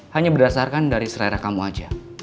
hanya berdasarkan dari selera kamu aja